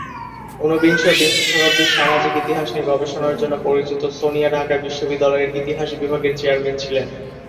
উনবিংশ ও বিংশ শতাব্দীর সামাজিক ইতিহাস নিয়ে গবেষণার জন্য পরিচিত সোনিয়া ঢাকা বিশ্ববিদ্যালয়ের ইতিহাস বিভাগের চেয়ারম্যান ছিলেন।